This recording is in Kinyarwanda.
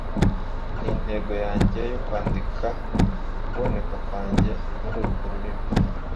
Ni intego yanjye yo kwandika. kuboneka kwanjye mururwo rurimi,